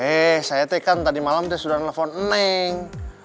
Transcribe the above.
eh saya tadi kan tadi malam sudah nelfon neneng